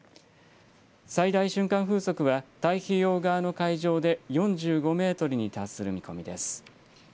最大瞬間風速は太平洋側の海上で４５メートルに達する見込みです。